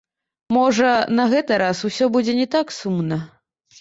Можа, на гэты раз усё будзе не так сумна?